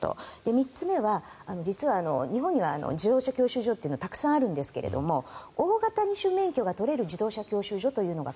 ３つ目は、実は日本は自動車教習所というのはたくさんあるんですが大型二種免許が取れる自動車教習所というのが